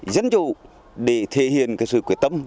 dân chủ để thể hiện sự quyết tâm